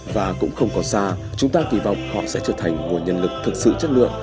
và cũng không còn xa chúng ta kỳ vọng họ sẽ trở thành nguồn nhân lực thực sự chất lượng